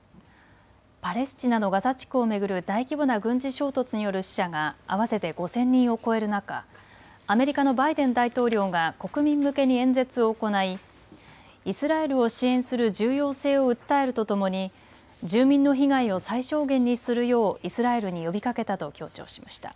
パレスチナのガザ地区を巡る大規模な軍事衝突による死者が合わせて５０００人を超える中、アメリカのバイデン大統領が国民向けに演説を行いイスラエルを支援する重要性を訴えるとともに住民の被害を最小限にするようイスラエルに呼びかけたと強調しました。